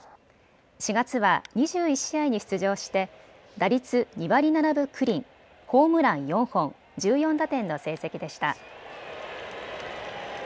４月は２１試合に出場して打率２割７分９厘、ホームラン４本、１４打点の成績でした。